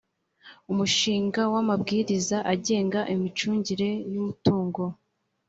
umushinga w’amabwiriza agenga imicungire y’umutungo